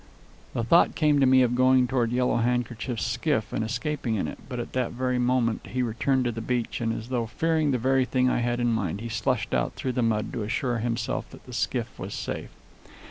The thought came to me of going toward Yellow Handkerchief's skiff and escaping in it, but at that very moment he returned to the beach, and, as though fearing the very thing I had in mind, he slushed out through the mud to assure himself that the skiff was safe.